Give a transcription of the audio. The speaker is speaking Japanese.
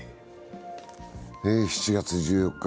７月１４日